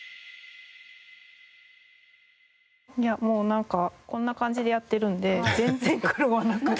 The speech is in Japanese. いやもうなんかこんな感じでやっているので全然苦労はなくって。